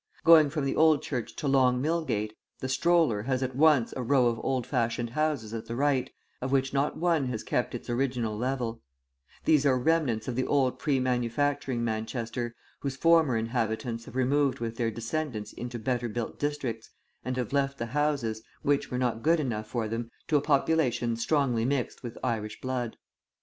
Going from the Old Church to Long Millgate, the stroller has at once a row of old fashioned houses at the right, of which not one has kept its original level; these are remnants of the old pre manufacturing Manchester, whose former inhabitants have removed with their descendants into better built districts, and have left the houses, which were not good enough for them, to a population strongly mixed with Irish blood.